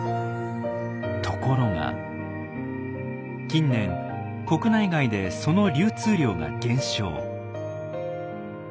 ところが近年国内外でその流通量が減少。